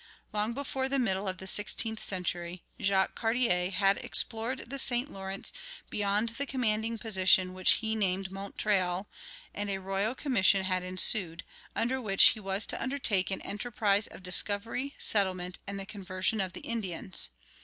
Long before the middle of the sixteenth century Jacques Cartier had explored the St. Lawrence beyond the commanding position which he named Montreal, and a royal commission had issued, under which he was to undertake an enterprise of "discovery, settlement, and the conversion of the Indians."